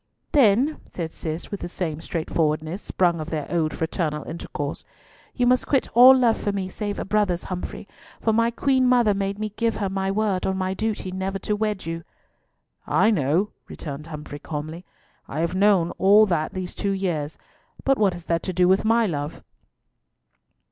"Then," said Cis, with the same straightforwardness, sprung of their old fraternal intercourse, "you must quit all love for me save a brother's, Humfrey; for my Queen mother made me give her my word on my duty never to wed you." "I know," returned Humfrey calmly. "I have known all that these two years; but what has that to do with my love?"